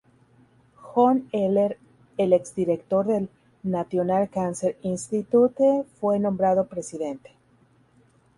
John Heller, el ex director del National Cancer Institute, fue nombrado presidente.